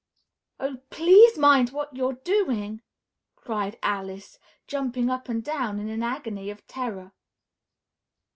"Oh, please mind what you're doing!" cried Alice, jumping up and down in an agony of terror.